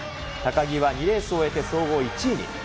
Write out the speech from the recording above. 高木は２レースを終えて総合１位に。